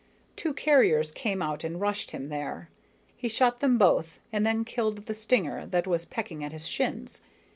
Two carriers came out and rushed him there. He shot them both and then killed the stinger that was pecking at his shins.